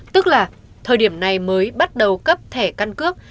tức là thời điểm này mới bắt đầu cấp thẻ căn cước